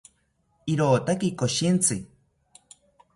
irotaki koshintzi